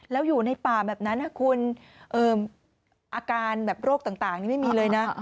แล้วอยู่ในป่าแบบนั้นนะคุณอาการแบบโรคต่างนี่ไม่มีเลยนะ